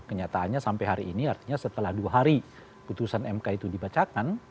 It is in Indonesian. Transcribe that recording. kenyataannya sampai hari ini artinya setelah dua hari putusan mk itu dibacakan